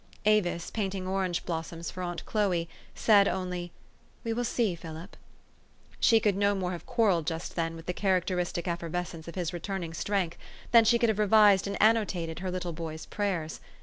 Avis, painting orange blossoms for aunt Chloe, said only, " We will see, Philip. She could no more have quarrelled just then with the characteristic effervescence of his returning strength, than she could have revised and annotated her little boy's prayers.